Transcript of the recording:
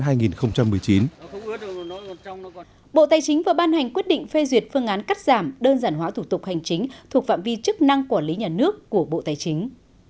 bộ tài chính vừa ban hành quyết định phê duyệt phương án cắt giảm đơn giản hóa thủ tục hành chính thuộc phạm vi chức năng quản lý nhà nước của bộ tài chính